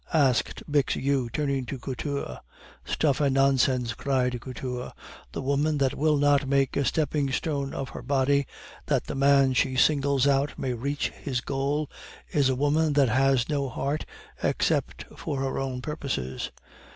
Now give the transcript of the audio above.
asked Bixiou, turning to Couture. "Stuff and nonsense!" cried Couture. "The woman that will not make a stepping stone of her body, that the man she singles out may reach his goal, is a woman that has no heart except for her own purposes."